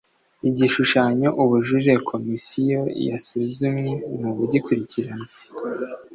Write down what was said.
Igishushanyo Ubujurire Komisiyo yasuzumye n ubugikurikiranwa